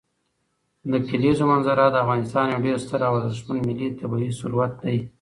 د کلیزو منظره د افغانستان یو ډېر ستر او ارزښتمن ملي طبعي ثروت دی.